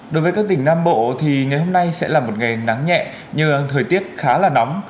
đối với các tỉnh nam bộ thì ngày hôm nay sẽ là một ngày nắng nhẹ nhưng thời tiết khá là nóng